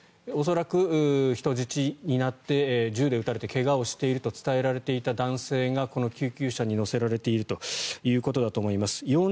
恐らく、人質になって銃で撃たれて怪我をしていると伝えられていた男性がこの救急車に乗せられているということだと思います。